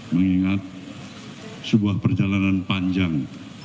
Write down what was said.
mengingat sebuah perjalanan panjang